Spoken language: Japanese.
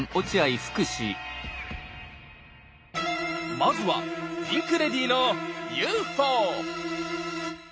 まずはピンク・レディーの「ＵＦＯ」！